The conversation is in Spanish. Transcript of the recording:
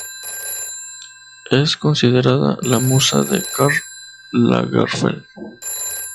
Es considerada la musa de Karl Lagerfeld.